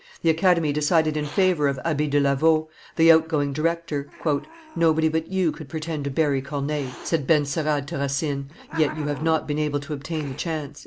The Academy decided in favor of Abbe de Lavau, the outgoing director. "Nobody but you could pretend to bury Corneille," said Benserade to Racine, "yet you have not been able to obtain the chance."